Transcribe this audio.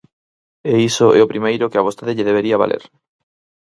E iso é o primeiro que a vostede lle debería valer.